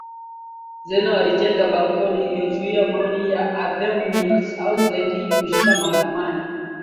Zeno alijenga balcony iliyozuia maoni ya Anthemius au zaidi ya kushinda mahakamani